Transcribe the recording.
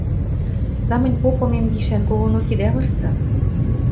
Самынь попымем гишӓн когонок идӓ вырсы...